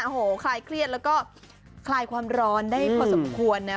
โอ้โหคลายเครียดแล้วก็คลายความร้อนได้พอสมควรนะ